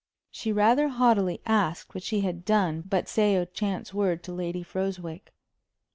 She rather haughtily asked what she had done but say a chance word to Lady Froswick?